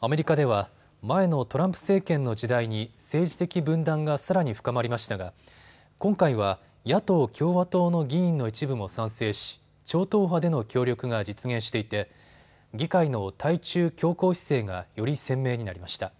アメリカでは前のトランプ政権の時代に政治的分断がさらに深まりましたが今回は野党共和党の議員の一部も賛成し、超党派での協力が実現していて議会の対中強硬姿勢がより鮮明になりました。